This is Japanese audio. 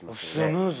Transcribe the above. スムーズ。